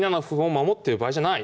守ってる場合じゃない？